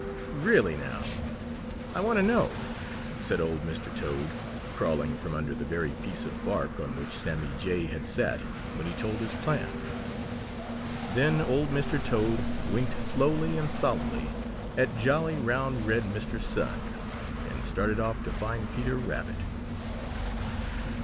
Really now, I want to know," said old Mr. Toad, crawling from under the very piece of bark on which Sammy Jay had sat when he told his plan. Then old Mr. Toad winked slowly and solemnly at jolly, round, red Mr. Sun and started off to find Peter Rabbit.